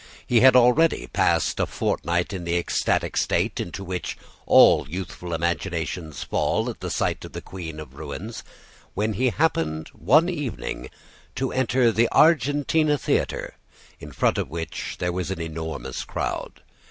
He had already passed a fortnight in the ecstatic state into which all youthful imaginations fall at the sight of the queen of ruins, when he happened one evening to enter the Argentina theatre, in front of which there was an enormous crowd.